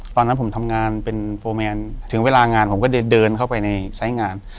ตอนนั้นผมทำงานเป็นโฟร์แมนถึงเวลางานผมก็เดินเข้าไปในไซส์งาน